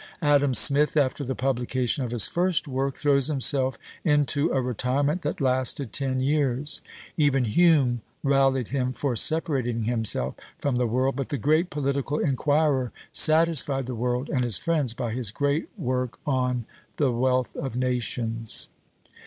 Adam Smith, after the publication of his first work, throws himself into a retirement that lasted ten years; even Hume rallied him for separating himself from the world; but the great political inquirer satisfied the world, and his friends, by his great work on the Wealth of Nations.